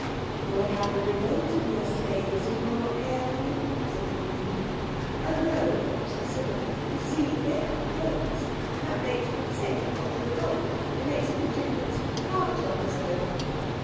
"You'll have a revolt of your slaves if you're not careful," said the Queen. "Oh, no," said Cyril; "you see they have votes—that makes them safe not to revolt. It makes all the difference. Father told me so."